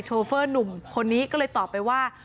โฟนุ่มคนนี้ก็เลยตอบไปว่า